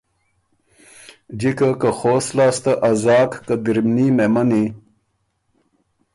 جِکه که خوست لاسته ا زاک قدرمني مېمنی،